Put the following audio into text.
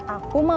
aku mau beli